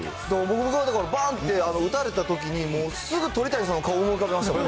僕はだから、ばーんて打たれたときにもう、すぐ鳥谷さんの顔思い浮かべました。